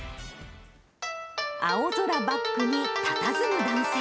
青空バックに、たたずむ男性。